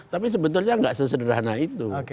tapi sebetulnya nggak sesederhana itu